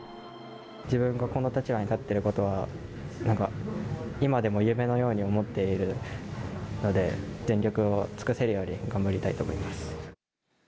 自分がこの立場に立ってることは、なんか、今でも夢のように思っているので、全力を尽くせるように頑張りたいと思います。